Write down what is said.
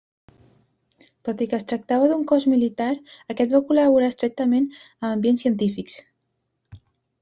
Tot i que es tractava d'un cos militar, aquest va col·laborar estretament amb ambients científics.